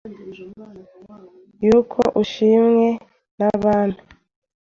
Y'uko ushimwe n'Abami